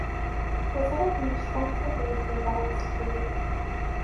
Teẓriḍ mmektaɣ-d tadyant yeḍran zgelli.